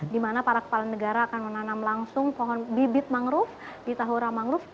di mana para kepala negara akan menanam langsung pohon bibit mangrove di tahura mangrove